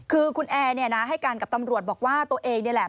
คือคุณแอร์ให้กันกับตำรวจบอกว่าตัวเองนี่แหละ